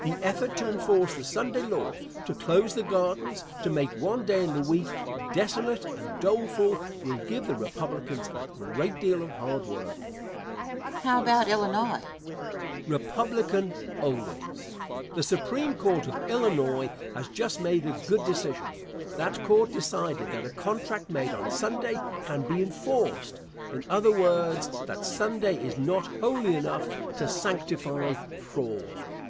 The effort to enforce the Sunday law, to close the gardens, to make one day in the week desolate and doleful, will give the Republicans a great deal of hard work. Question. How about Illinois? Answer. Republican always. The Supreme Court of Illinois has just made a good decision. That Court decided that a contract made on Sunday can be enforced. In other words, that Sunday is not holy enough to sanctify fraud.